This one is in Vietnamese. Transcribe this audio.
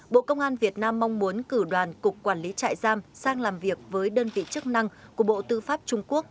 bộ công an việt nam mong muốn cử đoàn cục quản lý trại giam sang làm việc với đơn vị chức năng của bộ tư pháp trung quốc